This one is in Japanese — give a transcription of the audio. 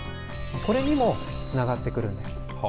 これにもつながってくるんです。